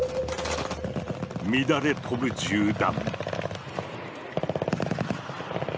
乱れ飛ぶ銃弾。